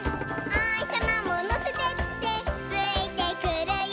「おひさまものせてってついてくるよ」